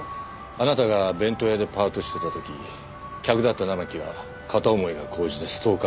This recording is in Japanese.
あなたが弁当屋でパートしてた時客だった生木は片思いが昂じてストーカーになった。